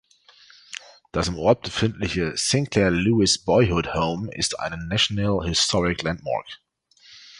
Das im Ort befindliche Sinclair Lewis Boyhood Home ist eine National Historic Landmark.